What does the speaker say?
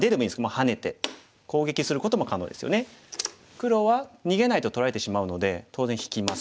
黒は逃げないと取られてしまうので当然引きます。